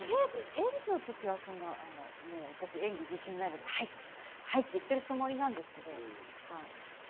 演技の時は私、演技に自信がないのではい、はいって言ってるつもりなんですけど。